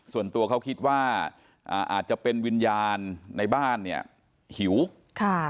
ส่วนตัวเขาคิดว่าอ่าอาจจะเป็นวิญญาณในบ้านเนี่ยหิวค่ะ